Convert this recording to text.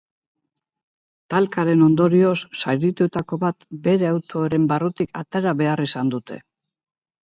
Talkaren ondorioz, zaurituetako bat bere autoaren barrutik atera behar izan dute.